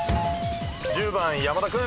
１０番山田君。